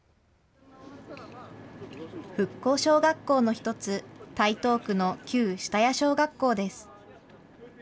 復興小学校の１つ、台東区の旧下谷小学校です。